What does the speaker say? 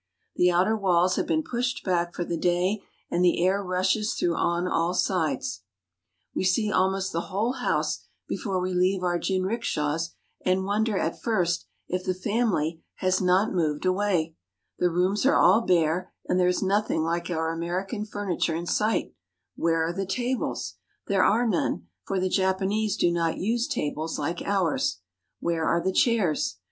The outer walls have been pushed back for the day, and the air rushes through on all sides. We see almost the whole house before we leave our jinrikishas and wonder at first if the family has not moved These people live simply." We can see clear through the house." (47) 48 JAPAN away. The rooms are all bare and there is nothing like our American furniture in sight. Where are the tables ? There are none, for the Japanese do not use tables like ours. Where are the chairs